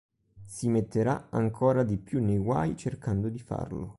Si metterà ancora di più nei guai cercando di farlo.